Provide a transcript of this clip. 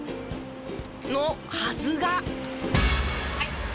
のはずが。